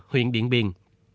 huyện điện biên